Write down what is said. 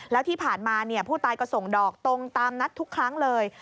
แล้วที่ผ่านมาผู้ตายก็ส่งดอกตรงตามนัดทุกครั้งเลย